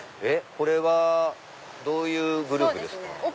これはどういうグループですか？